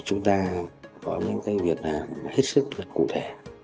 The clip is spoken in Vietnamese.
chúng ta có những việc hết sức cụ thể